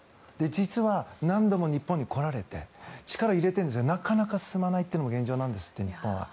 実は何度も日本に来られて力を入れているんですがなかなか進まないというのも現状なんですって、日本は。